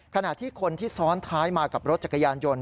ขณะที่คนที่ซ้อนท้ายมากับรถจักรยานยนต์